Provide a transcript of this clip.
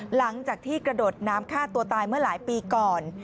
หลังจากที่กระโดดน้ำฆ่าตัวตายเมื่อหลายปีก่อน